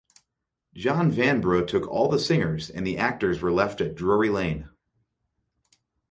John Vanbrugh took all the singers and the actors were left at Drury Lane.